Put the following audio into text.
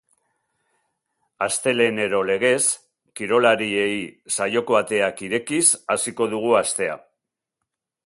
Astelehenero legez, kirolariei saioko ateak irekiz hasiko dugu astea.